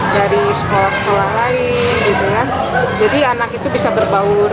dari sekolah sekolah lain jadi anak itu bisa berbaur